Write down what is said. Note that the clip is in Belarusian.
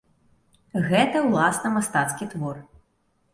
Гэта ўласна мастацкі твор.